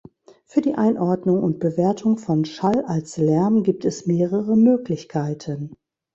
Für die Einordnung und Bewertung von Schall als Lärm gibt es mehrere Möglichkeiten.